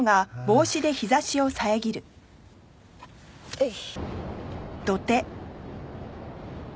えい。